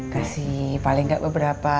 kasih paling gak beberapa